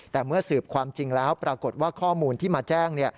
แต่เมื่อสืบความจริงแล้วปรากฏว่าข้อมูลที่มาแจ้ง